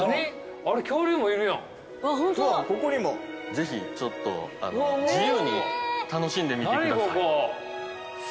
ぜひちょっと自由に楽しんでみてください。